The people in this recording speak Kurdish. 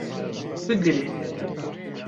Bigire